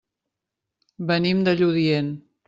Venim de Lludient.